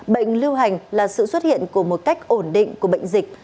bệnh lưu hành là sự xuất hiện của một cách ổn định của bệnh dịch